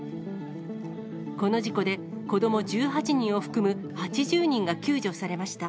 この事故で、子ども１８人を含む８０人が救助されました。